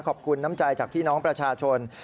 ขอบคุณน้ำใจจากพี่น้องประชาชน